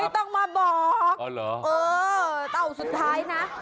ต้องมาบอกอ๋อเหรอเออเต้าสุดท้ายนะ